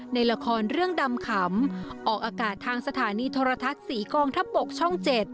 ในละครเรื่องดำขำออกอากาศทางสถานีโทรทัศน์๔กองทัพบกช่อง๗